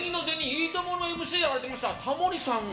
「いいとも！」のＭＣをやられていたタモリさんが。